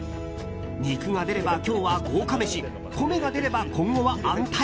肉が出れば今日は豪華めし米が出れば今後は安泰。